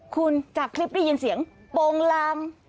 คุณจากคลิปได้ยินเสียงโปรงลาม